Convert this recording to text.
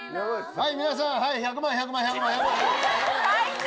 はい！